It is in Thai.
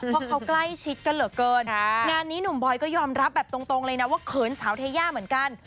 เพราะเขาใกล้ชิดกันเหลือเกินงานนี้หนุ่มบอยก็ยอมรับแบบตรงเลยนะว่าเขินสาวเทย่าเหมือนกัน